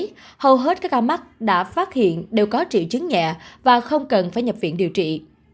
tuy nhiên hầu hết các ca mắc đã phát hiện đều có triệu chứng nhẹ và không cần phải nhập viện điều trị